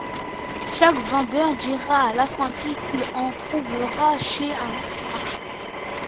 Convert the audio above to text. Chaque vendeur dira à l'apprenti qu'il en trouvera chez un autre marchand.